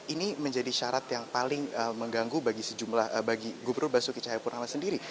ini menjadi syarat yang paling mengganggu bagi gubernur basuki cahayapurnama sendiri